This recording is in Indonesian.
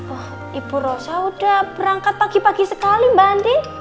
wah ibu rosa udah berangkat pagi pagi sekali mbak andi